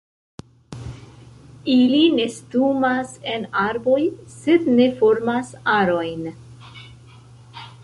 Ili nestumas en arboj, sed ne formas arojn.